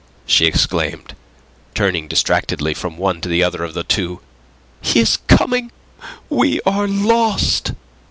she exclaimed, turning distractedly from one to the other of those two. "He is coming! We are lost!"